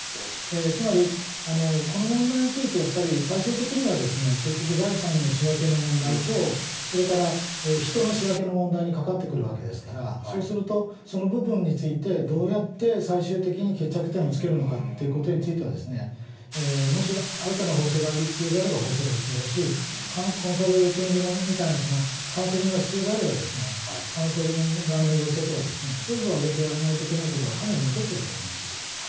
つまり、この問題について、やっぱり最終的には、結局、財産の仕分けの問題と、それから人の仕分けの問題にかかってくるわけですから、そうすると、その部分についてどうやって最終的に決着点をつけるのかということについては、もし新たな法制が必要であれば、法制が必要だし、コンサルティングみたいな、カウンセリングが必要であれば、カウンセリング側の要請とか、政府を挙げてやらないといけないことは、かなり残ってると思います。